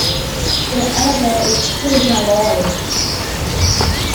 The Editor is Kate Malloy.